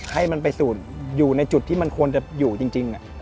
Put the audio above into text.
ให้มันไปอยู่ในจุดที่มันควรจะอยู่จริง